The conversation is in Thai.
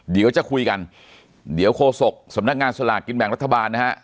เดี๋ยวจะคุยกันเดี๋ยวโฆษกสำนักงานสลากกินแบ่งรัฐบาลนะฮะ